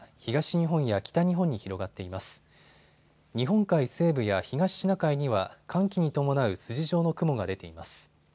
日本海西部や東シナ海には寒気に伴う筋状の雲が出ています。